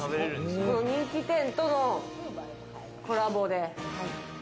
人気店とのコラボで。